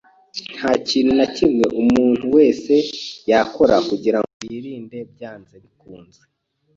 Ntakintu nakimwe umuntu wese yakora kugirango yirinde byanze bikunze.